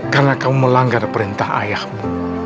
karena kamu melanggar perintah ayahmu